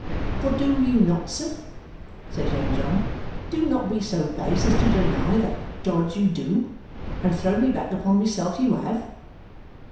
For, do not, sir,' said Young John, 'do not be so base as to deny that dodge you do, and thrown me back upon myself you have!